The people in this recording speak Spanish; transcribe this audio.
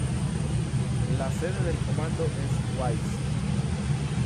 La sede del condado es Wise.